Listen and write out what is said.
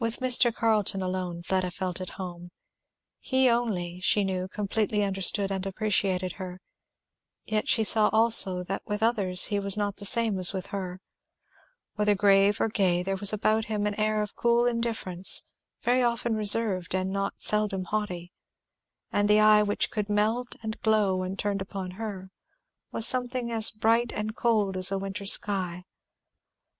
With Mr. Carleton alone Fleda felt at home. He only, she knew, completely understood and appreciated her. Yet she saw also that with others he was not the same as with her. Whether grave or gay there was about him an air of cool indifference, very often reserved and not seldom haughty; and the eye which could melt and glow when turned upon her, was sometimes as bright and cold as a winter sky.